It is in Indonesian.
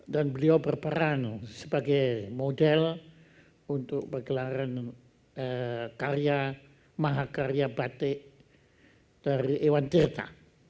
dan beliau berperan sebagai model untuk pergelaran karya mahakarya batik dari iwan tirta